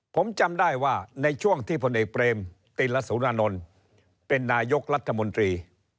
ผมจำได้ว่าในช่วงที่พลเอกเปรมติลสุรานนท์เป็นนายกรัฐมนตรี